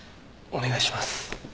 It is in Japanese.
お願いします。